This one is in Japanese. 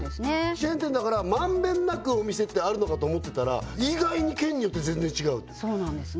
チェーン店だから満遍なくお店ってあるのかと思ってたら意外に県によって全然違うそうなんですね